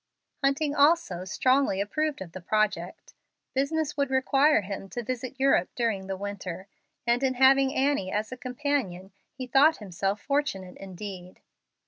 Hunting, also, strongly approved of the project. Business would require him to visit Europe during the winter, and in having Annie as a companion he thought himself fortunate indeed.